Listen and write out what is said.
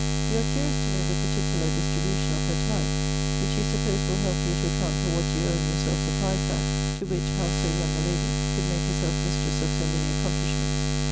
You are curious to know the particular distribution of her time; which you suppose will help you to account for what you own yourself surprised at; to wit, how so young a lady could make herself mistress of so many accomplishments.